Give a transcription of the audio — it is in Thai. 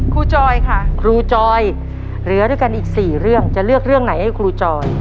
ตาคุณจอยเหลือกันอีก๔เรื่องจะเลือกไหนให้ครูจอย